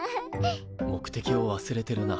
目的を忘れてるな。